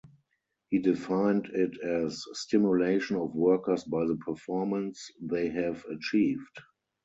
He defined it as: Stimulation of workers by the performance they have achieved.